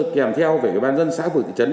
kèm theo về bàn dân xã phường thị trấn